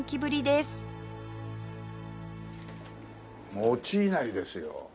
餅いなりですよ。